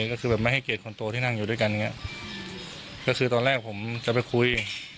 ก็คือแบบไม่ให้เกียรติคนโตที่นั่งอยู่ด้วยกันอย่างเงี้ยก็คือตอนแรกผมจะไปคุย